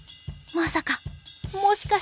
『まさか』